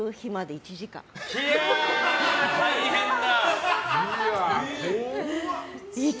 大変だ！